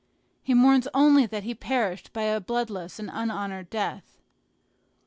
He mourns only that he perishes by a bloodless and unhonored death.